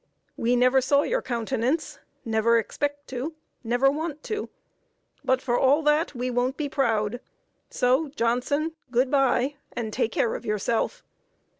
We never saw your countenance never expect to never want to but, for all that, we won't be proud; so, Johnson, good by, and take care of yourself!